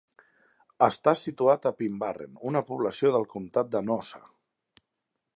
Està situat a Pinbarren, una població del comtat de Noosa.